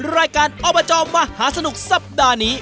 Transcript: รายการอบจมหาสนุกสัปดาห์นี้